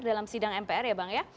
dalam sidang mpr ya bang ya